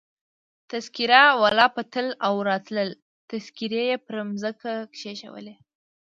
تذکیره والا به تلل او راتلل، تذکیرې يې پر مځکه کښېښولې.